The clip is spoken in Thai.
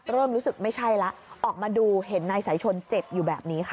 เริ่มรู้สึกไม่ใช่แล้วออกมาดูเห็นนายสายชนเจ็บอยู่แบบนี้ค่ะ